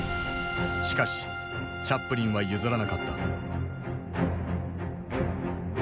しかしチャップリンは譲らなかった。